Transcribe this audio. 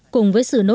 cùng với sự thay đổi